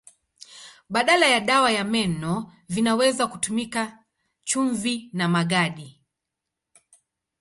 Badala ya dawa ya meno vinaweza kutumika chumvi na magadi.